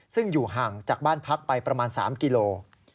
ซึ่งอยู่ห่างจากบ้านพักไปประมาณ๓กิโล